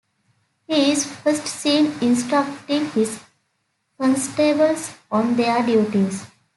He is first seen instructing his constables on their duties.